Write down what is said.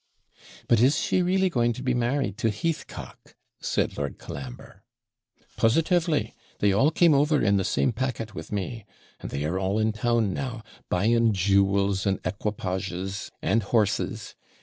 'But is she really going to be married to Heathcock?' said Lord Colambre. 'Positively; they all came over in the same packet with me, and they are all in town now, buying jewels, and equipages, and horses.